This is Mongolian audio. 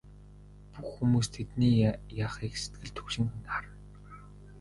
Бүх хүмүүс тэдний яахыг сэтгэл түгшин харна.